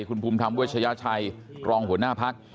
คุณพุมทำเวชยาชัยรองหัวหน้าพัก